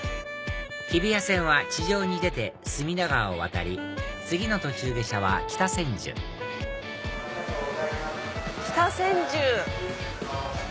日比谷線は地上に出て隅田川を渡り次の途中下車は北千住北千住。